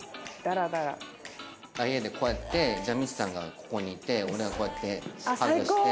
家でこうやってじゃあみちさんがここにいて俺がこうやってハグして。